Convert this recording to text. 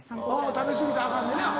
食べ過ぎたらアカンねんな